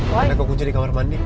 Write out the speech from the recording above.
karena kekunci di kamar mandi